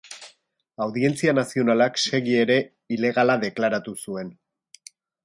Audientzia Nazionalak Segi ere ilegala deklaratu zuen.